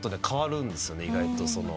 変わるんですよね意外と。